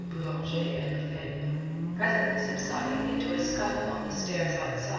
Boulanger and Lefebvre, presently subsiding into a scuffle on the stairs outside.